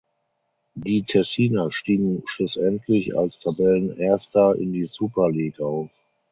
Die Tessiner stiegen schlussendlich als Tabellenerster in die Super League auf.